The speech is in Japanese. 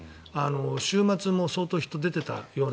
週末も相当、人が出ていたような。